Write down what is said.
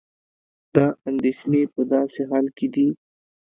دا اندېښنې په داسې حال کې دي